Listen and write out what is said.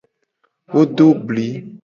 Wo do bli.